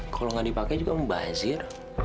kalau nggak dipakai juga membazir